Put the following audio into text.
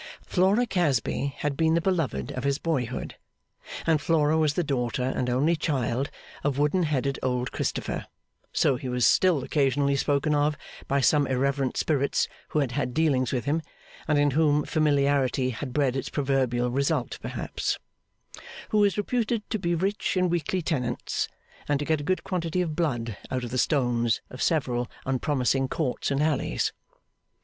Flora Casby had been the beloved of his boyhood; and Flora was the daughter and only child of wooden headed old Christopher (so he was still occasionally spoken of by some irreverent spirits who had had dealings with him, and in whom familiarity had bred its proverbial result perhaps), who was reputed to be rich in weekly tenants, and to get a good quantity of blood out of the stones of several unpromising courts and alleys.